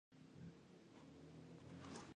سپین سرې وویل چې د ځونډي لور به زموږ مېنه رڼا کړي.